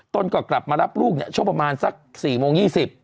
ตนก็กลับมารับลูกช่วงประมาณสัก๔โมง๒๐